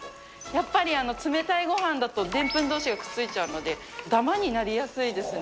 やっぱり、冷たいごはんだとでんぷんどうしがくっついちゃうので、だまになりやすいですね。